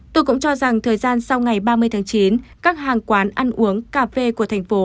tôi cũng cho rằng thời gian sau ngày ba mươi tháng chín các hàng quán ăn uống cà phê của thành phố